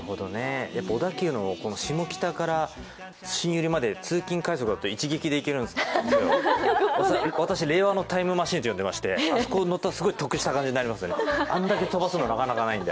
小田急の下北から新百合まで通勤快速だと一撃で行けるんですけど、私、令和のタイムマシンと呼んでましてあそこ乗ったらすごい得した感じになりましてあんだけ飛ばすの、なかなかないんで。